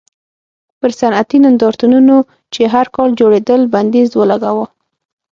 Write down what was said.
پر صنعتي نندارتونونو چې هر کال جوړېدل بندیز ولګاوه.